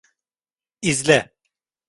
İzle.